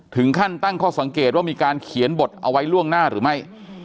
ถึงขั้นตั้งข้อสังเกตว่ามีการเขียนบทเอาไว้ล่วงหน้าหรือไม่